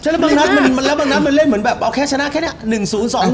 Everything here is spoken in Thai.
แล้วบางนั้นมันเล่นแบบแค่ชนะแค่เนี่ย๑๐๒๑